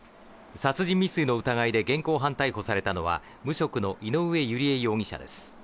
殺人未遂の疑いで現行犯逮捕されたのは無職の井上由利恵容疑者です。